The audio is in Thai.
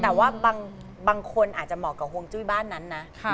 แต่ว่าบางคนอาจจะเหมาะกับห่วงจุ้ยบ้านนั้นนะ